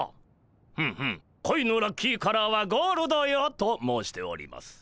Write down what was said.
ふむふむ「恋のラッキーカラーはゴールドよ」と申しております。